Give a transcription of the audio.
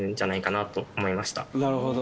なるほど。